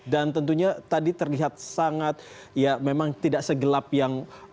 dan tentunya tadi terlihat sangat ya memang tidak segelap yang tahun dua ribu enam